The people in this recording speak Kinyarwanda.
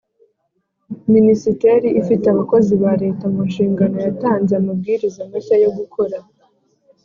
Minisiteri ifite abakozi ba Leta mu nshingano yatanze amabwiriza mashya yo gukora